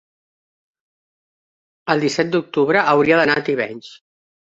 el disset d'octubre hauria d'anar a Tivenys.